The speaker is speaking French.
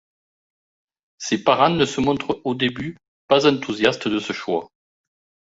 Ses parents ne se montrent au début pas enthousiastes de ce choix.